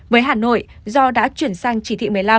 với hà nội do đã chuyển sang chỉ thị một mươi năm